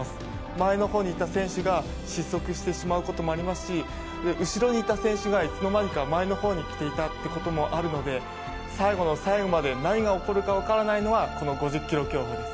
前のほうにいた選手が失速してしまうこともありますし後ろにいた選手がいつの間にか前のほうに来ていたということもあるので最後の最後まで何が起こるかわからないのがこの５０ｋｍ競歩です。